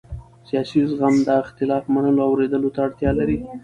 سیاسي زغم د اختلاف منلو او اورېدو ته اړتیا لري